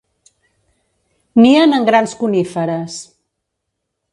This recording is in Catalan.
Nien en grans coníferes.